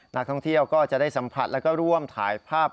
นักท่องเที่ยวก็จะได้สัมผัสแล้วก็ร่วมถ่ายภาพ